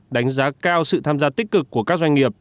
đánh giá cao sự tham gia tích cực của các doanh nghiệp